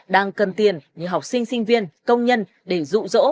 đang cần tiền như học sinh sinh viên công nhân để rụ rỗ